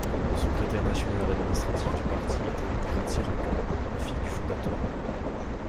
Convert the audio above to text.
Le secrétaire national administratif du parti est Annick Ratsiraka, la fille du fondateur.